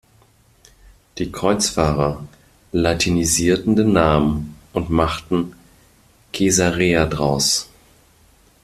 Die Kreuzfahrer latinisierten den Namen und machten Caesarea daraus.